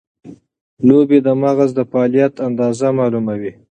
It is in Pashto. لوبې د مغز د فعالیت اندازه معلوموي.